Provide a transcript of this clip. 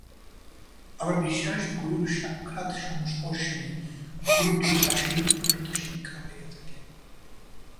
আমার বিশ্বাস, গুরুর সাক্ষাৎ সংস্পর্শে গুরুগৃহবাসেই প্রকৃত শিক্ষা হইয়া থাকে।